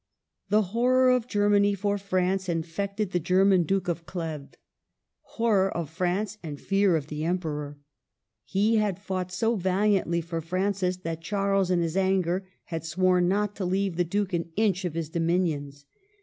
The horror of Germany for France infected the German Duke of Cleves, — horror of France, and fear of the Emperor. He had fought so valiantly for Francis, that Charles in his anger had sworn not to leave the Duke an inch of his dominions.